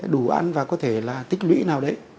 đủ ăn và có thể là tích lũy nào đấy